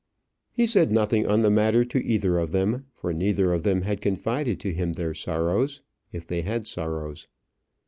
He said nothing on the matter to either of them, for neither of them had confided to him their sorrows if they had sorrows.